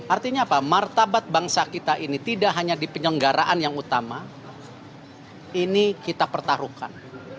artinya apa martabat bangsa kita ini tidak hanya di penyelenggaraan yang utama ini kita pertaruhkan